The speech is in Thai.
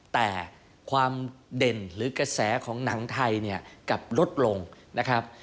แต่ความเด่นหรือกระแสของหนังไทยเนี่ยกลับลดลงนะครับ